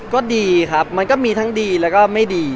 ก็ดีครับมันก็มีทั้งดีแล้วก็ไม่ดี